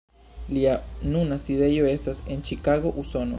Lia nuna sidejo estas en Ĉikago, Usono.